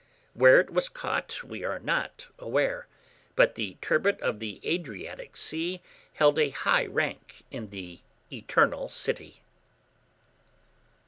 Where it was caught, we are not aware; but the turbot of the Adriatic Sea held a high rank in the "Eternal City."